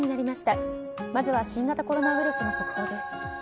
まずは新型コロナウイルスの速報です。